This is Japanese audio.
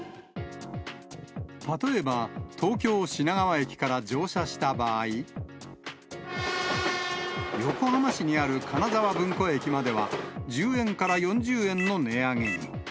例えば、東京・品川駅から乗車した場合、横浜市にある金沢文庫駅までは、１０円から４０円の値上げに。